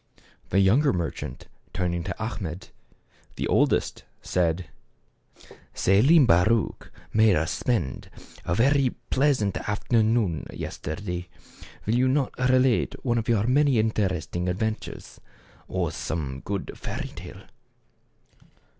The younger merchant, turning to Achmet, the oldest, said, " Selim Baruch made us spend a very pleasant afternoon yesterday. Will not you relate one of your many interesting adventures, or some good fairy tale